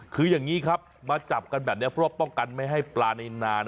คืออย่างนี้ครับมาจับกันแบบนี้เพราะว่าป้องกันไม่ให้ปลาในนาน